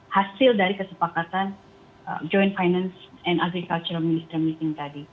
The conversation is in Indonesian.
hasil dari kesepakatan joint finance agricultural ministery meeting tadi